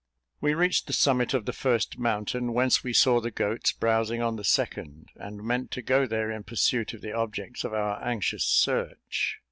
We reached the summit of the first mountain, whence we saw the goats browsing on the second, and meant to go there in pursuit of the objects of our anxious search.